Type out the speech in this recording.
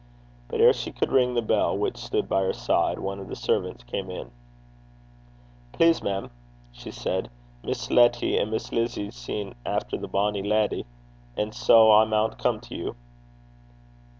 But ere she could ring the bell which stood by her side, one of her servants came in. 'Please, mem,' she said, 'Miss Letty and Miss Lizzy's seein' efter the bonny leddy; and sae I maun come to you.'